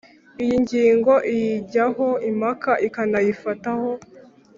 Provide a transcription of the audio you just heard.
iyi ngingo iyijyaho impaka ikanayifataho